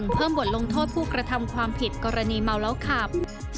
เพิ่มบทลงโทษผู้กระทำความผิดกรณีเมาแล้วขับ